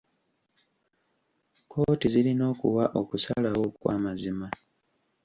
Kkooti zirina okuwa okusalawo okw'amazima